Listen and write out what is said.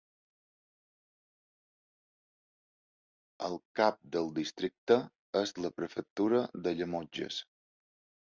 El cap del districte és la prefectura de Llemotges.